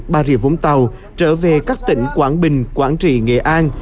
bà rịa vũng tàu trở về các tỉnh quảng bình quảng trị nghệ an